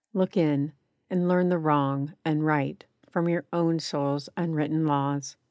Look in; and learn the wrong, and right, From your own soul's unwritten laws.